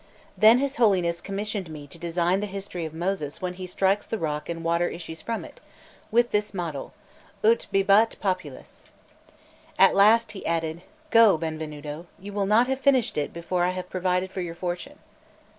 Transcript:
Then his Holiness commissioned me to design the history of Moses when he strikes the rock and water issues from it, with this motto: 'Ut bibat populus.' At last he added: "Go Benvenuto; you will not have finished it before I have provided for your fortune."